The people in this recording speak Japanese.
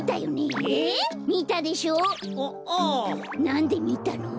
なんでみたの？